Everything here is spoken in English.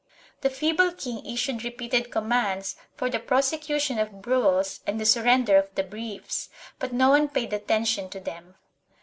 The feeble king issued repeated commands for the prose cution of Bruells and the surrender of the briefs, but no one paid attention to them.